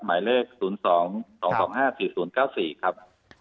หมายเลข๐๒๒๒๕๔๐๙๔ครับ